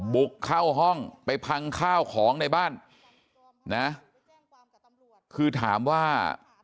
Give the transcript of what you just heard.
บุกเข้าห้องไปพังข้าวของในบ้านนะคือถามว่า